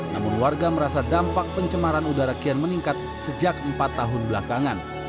namun warga merasa dampak pencemaran udara kian meningkat sejak empat tahun belakangan